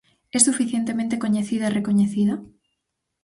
É suficientemente coñecida e recoñecida?